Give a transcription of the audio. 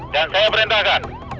dan saya perintahkan